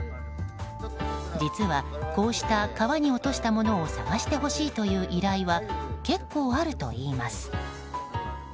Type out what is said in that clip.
実は、こうした川に落としたものを探してほしいという依頼は結構あるといいます。